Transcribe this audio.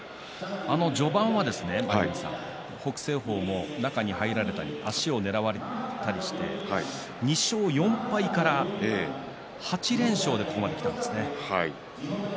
序盤は北青鵬も中に入られたり足をねらわれたりして２勝４敗から８連勝でここまできました。